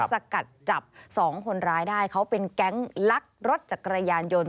สกัดจับสองคนร้ายได้เขาเป็นแก๊งลักรถจักรยานยนต์